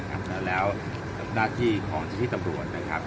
สำหรับหน้าที่ของเจ้าพี่ตำรวจนะครับ